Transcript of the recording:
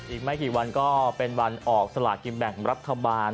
อีกไม่กี่วันก็เป็นวันออกสลากินแบ่งรัฐบาล